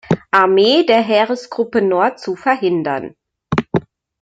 Armee der Heeresgruppe Nord zu verhindern.